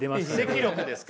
斥力ですか？